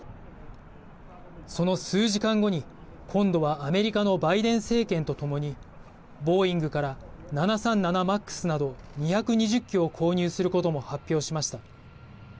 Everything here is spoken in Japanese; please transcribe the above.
その数時間後に今度はアメリカのバイデン政権とともにボーイングから７３７ＭＡＸなど２２０機を購入することも発表しました。